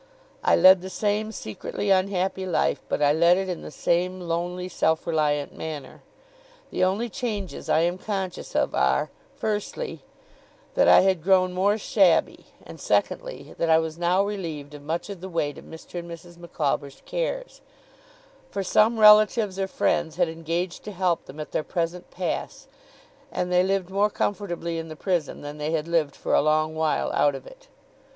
I led the same secretly unhappy life; but I led it in the same lonely, self reliant manner. The only changes I am conscious of are, firstly, that I had grown more shabby, and secondly, that I was now relieved of much of the weight of Mr. and Mrs. Micawber's cares; for some relatives or friends had engaged to help them at their present pass, and they lived more comfortably in the prison than they had lived for a long while out of it.